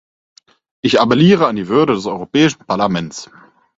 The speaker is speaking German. Ich appelliere an die Würde des Europäischen Parlaments.